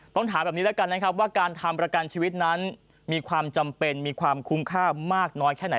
ถามแบบนี้แล้วกันนะครับว่าการทำประกันชีวิตนั้นมีความจำเป็นมีความคุ้มค่ามากน้อยแค่ไหน